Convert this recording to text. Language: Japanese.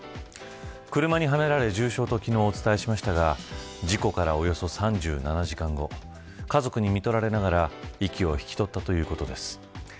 車にはねられ重傷と昨日お伝えしましたが事故からおよそ３７時間後家族にみとられながら息を引き取ったということです。